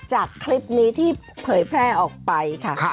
จากคลิปนี้ที่เผยแพร่ออกไปค่ะ